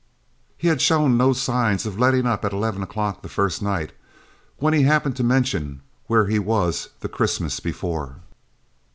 He had shown no signs of letting up at eleven o'clock the first night, when he happened to mention where he was the Christmas before.